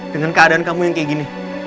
dengan keadaan kamu yang kayak gini